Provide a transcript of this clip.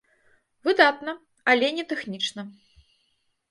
Выдатна, але не тэхнічна.